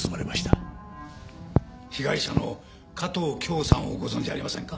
被害者の加藤恭さんをご存じありませんか？